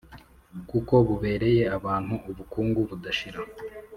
kuko bubereye abantu ubukungu budashira.